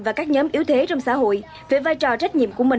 và các nhóm yếu thế trong xã hội về vai trò trách nhiệm của mình